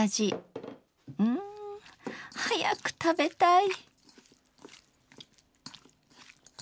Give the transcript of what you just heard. うん早く食べたい。